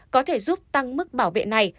có thể giúp tăng mức bảo vệ này